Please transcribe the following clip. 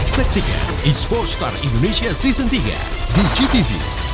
setsika is four star indonesia season tiga di gtv